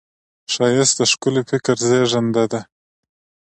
ښایست د ښکلي فکر زېږنده ده